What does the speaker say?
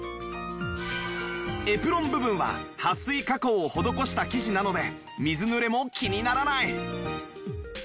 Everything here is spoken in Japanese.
エプロン部分ははっ水加工を施した生地なので水ぬれも気にならない